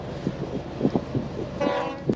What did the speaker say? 贡山栎为壳斗科栎属下的一个种。